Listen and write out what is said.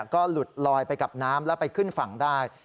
ก็หลุดลอยไปกับน้ำแล้วไปขึ้นฝั่งได้